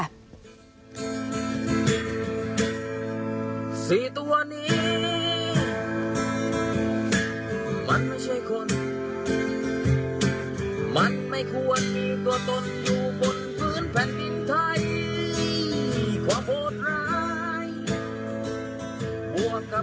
ไม่ควรมีตัวตนอยู่บนพื้นแผ่นปินทาย